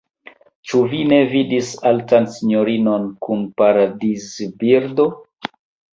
Ĉu vi ne vidis altan sinjorinon kun paradizbirdo?